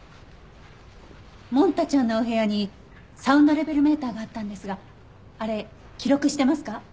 モン太ちゃんのお部屋にサウンドレベルメーターがあったんですがあれ記録してますか？